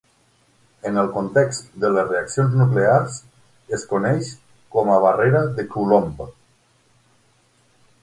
En el context de les reaccions nuclears, es coneix com a barrera de Coulomb.